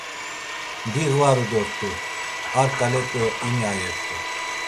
Diğvaru dort̆u, ar ǩale do ini ayert̆u.